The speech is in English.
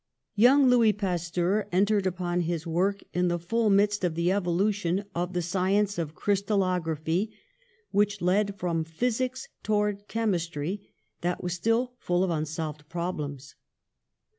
'' Young Louis Pasteur entered upon his work in the full midst of the evolution of the sci ence of crystalography, which led from physics towards chemistry, that was still full of un solved problems.